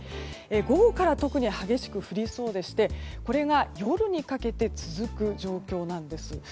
午後から特に激しく降りそうでしてこれが夜にかけて続く状況なんです。